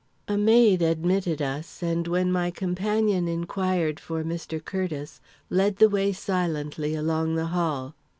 A maid admitted us, and when my companion inquired for Mr. Curtiss, led the way silently along the hall.